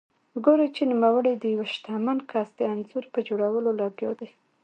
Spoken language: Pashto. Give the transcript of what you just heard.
ګوري چې نوموړی د یوه شتمن کس د انځور په جوړولو لګیا دی.